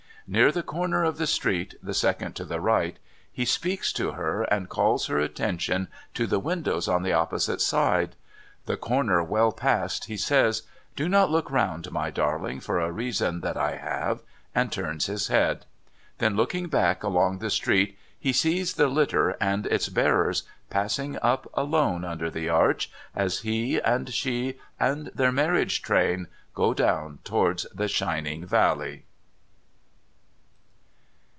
' Near the corner of the street the second to the right, he speaks 574 NO THOROUGHFARE to her, and calls her attention to the windows on the opposite side. The corner well passed, he says :' Do not look round, my darling, for a reason that I have,' and turns his head. Then, looking hack along the street, he sees the litter and its hearers passing up alone under the arch, as he and she and their marriage train go down towards the shining valley.